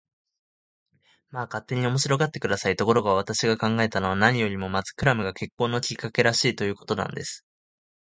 まあ、勝手に面白がって下さい。ところが、私が考えたのは、何よりもまずクラムが結婚のきっかけらしい、ということなんです。